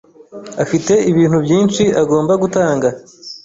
afite ibintu byinshi agomba gutanga.